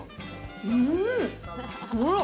うん！